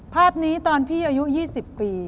ภาพนี้ตอนพี่อายุ๒๐ปี